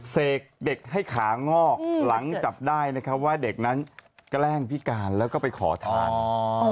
เสกเด็กให้ขางอกหลังจับได้นะครับว่าเด็กนั้นแกล้งพิการแล้วก็ไปขอทาน